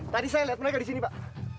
tadi saya lihat mereka di sini pak